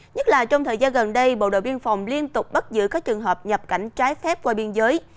nhất là trong thời gian gần đây bộ đội biên phòng liên tục bắt giữ các trường hợp nhập cảnh trái phép qua biên giới